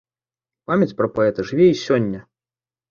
Памяць пра паэта жыве і сёння.